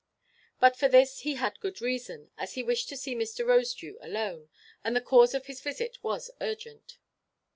But for this he had good reason, as he wished to see Mr. Rosedew alone, and the cause of his visit was urgent.